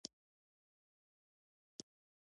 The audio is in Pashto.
قرآن د ناروا مال خوړل منع کړي.